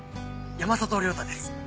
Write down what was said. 山里亮太です。